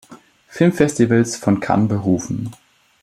Filmfestivals von Cannes berufen.